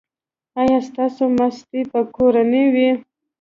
ایا ستاسو ماستې به کورنۍ وي؟